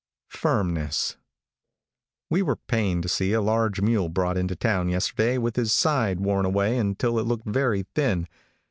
|WE were pained to see a large mule brought into town yesterday with his side worn away until it looked very thin.